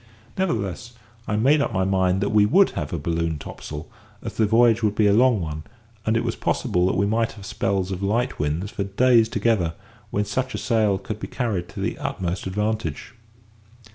Nevertheless, I made up my mind that we would have a balloon topsail, as the voyage would be a long one, and it was possible that we might have spells of light winds for days together, when such a sail could be carried to the utmost advantage.